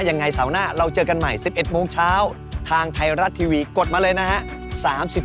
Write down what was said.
เสาร์หน้าเราเจอกันใหม่๑๑โมงเช้าทางไทยรัฐทีวีกดมาเลยนะฮะ